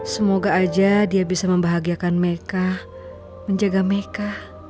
semoga aja dia bisa membahagiakan meka menjaga meka